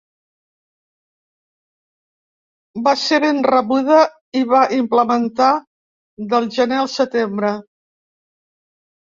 Va ser ben rebuda i va implementar del gener al setembre.